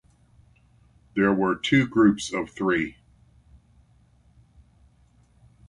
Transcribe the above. There were two groups of three.